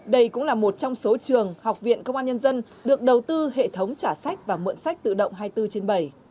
đây cũng là một trong số trường học viện công an nhân dân được đầu tư hệ thống trả sách và mượn sách tự động hai mươi bốn trên bảy